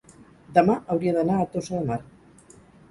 demà hauria d'anar a Tossa de Mar.